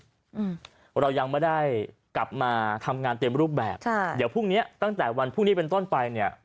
อืมเรายังไม่ได้กลับมาทำงานเต็มรูปแบบค่ะเดี๋ยวพรุ่งเนี้ยตั้งแต่วันพรุ่งนี้เป็นต้นไปเนี้ย